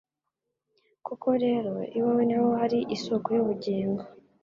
Koko rero iwawe ni ho hari isoko y’ubugingo